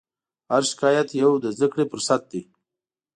هر شکایت یو د زدهکړې فرصت دی.